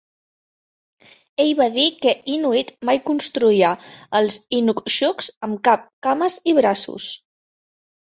Ell va dir que Inuit mai construïa els inukshuks amb cap, cames i braços.